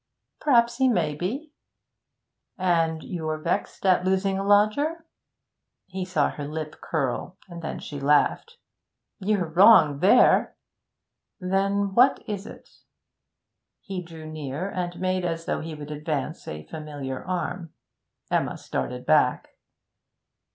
'P'r'aps he may be.' 'And you're vexed at losing a lodger.' He saw her lip curl and then she laughed. 'You're wrong there.' 'Then what is it?' He drew near and made as though he would advance a familiar arm. Emma started back.